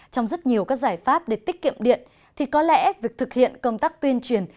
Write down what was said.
trong rất nhiều các giải pháp để tiết kiệm điện thì có lẽ việc thực hiện công tác tuyên truyền